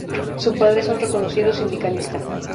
Su padre es un reconocido sindicalista.